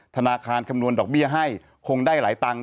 ธนาคารคำนวณดอกเบี้ยให้คงได้หลายตังค์